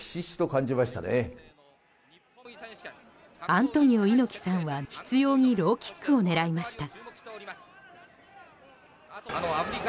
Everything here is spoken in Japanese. アントニオ猪木さんは執拗にローキックを狙いました。